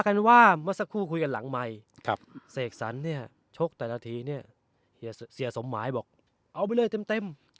เอาไปเลยเต็ม